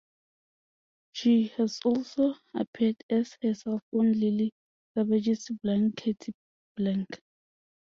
She has also appeared as herself on Lily Savage's Blankety Blank.